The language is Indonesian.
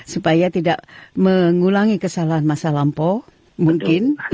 supaya tidak mengulangi kesalahan masa lampau mungkin